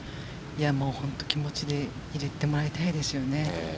いやもう本当に気持ちで入れてもらいたいですよね。